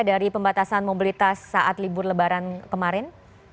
dari pembatasan mobilitas saat libur lebaran kemarin